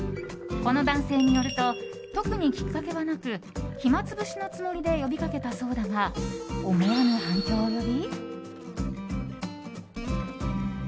この男性によると特にきっかけはなく暇つぶしのつもりで呼びかけたそうだが思わぬ反響を呼び。